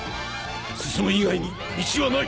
進む以外に道はない！